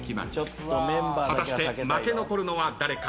果たして負け残るのは誰か。